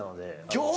今日？